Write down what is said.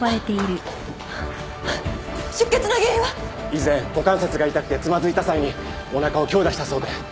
以前股関節が痛くてつまずいた際におなかを強打したそうで。